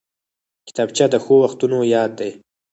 کتابچه د ښو وختونو یاد دی